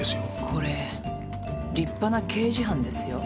これ立派な刑事犯ですよ。